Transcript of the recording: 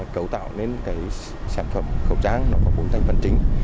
cấu tạo nên cái sản phẩm khẩu trang nó có bốn thành phần chính